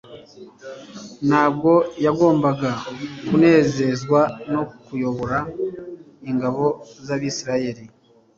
Ntabwo yagombaga kunezezwa no kuyobora ingabo z'abisiraeli